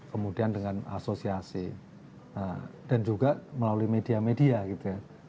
kemudian dengan asosiasi dan juga melalui media media gitu ya